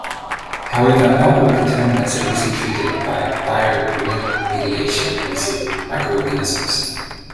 However, not all contaminants are easily treated by bioremediation using microorganisms.